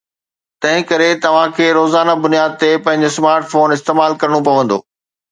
تنهن ڪري توهان کي روزانه بنياد تي پنهنجو سمارٽ فون استعمال ڪرڻو پوندو